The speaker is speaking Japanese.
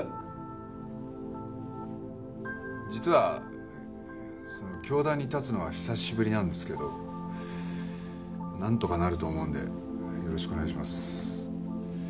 実は教壇に立つのは久しぶりなんですけどなんとかなると思うのでよろしくお願いします。